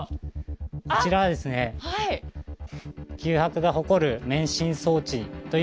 こちらは九博が誇る免震装置か！